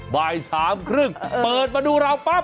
บายสามครึ่งเปิดมาดูเราก์ป่าบ